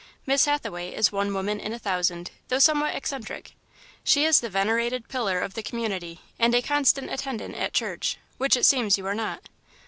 "Miss Hathaway is one woman in a thousand, though somewhat eccentric. She is the venerated pillar of the community and a constant attendant it church, which it seems you are not.